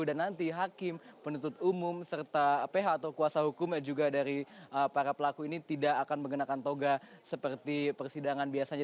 dan nanti hakim penuntut umum serta ph atau kuasa hukum juga dari para pelaku ini tidak akan mengenakan toga seperti persidangan biasanya